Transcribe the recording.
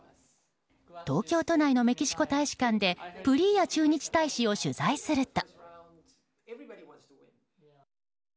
東京都内のメキシコ大使館でプリーア駐日大使を取材すると。